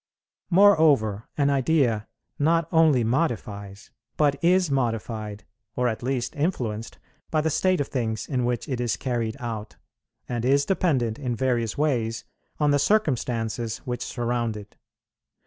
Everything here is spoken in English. Moreover, an idea not only modifies, but is modified, or at least influenced, by the state of things in which it is carried out, and is dependent in various ways on the circumstances which surround it.